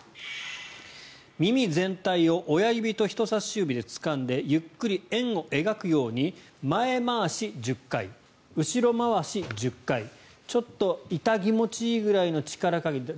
耳全体を親指と人差し指でつかんでゆっくり円を描くように前回し１０回、後ろ回し１０回ちょっと痛気持ちいいくらいの力加減で。